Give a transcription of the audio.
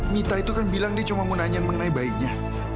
mita itu kan bilang dia cuma mau nanya mengenai bayinya